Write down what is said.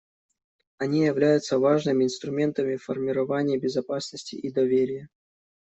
Они являются важными инструментами в формировании безопасности и доверия.